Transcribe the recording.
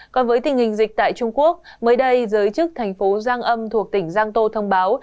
còn với tình hình dịch tại trung quốc mới đây giới chức thành phố giang âm thuộc tỉnh giang tô thông báo